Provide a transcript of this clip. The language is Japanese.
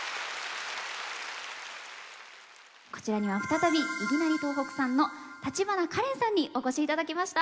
こちらには再びいぎなり東北産の橘花怜さんにお越しいただきました。